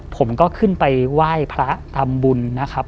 ผมก็ขึ้นไปไหว้พระทำบุญนะครับ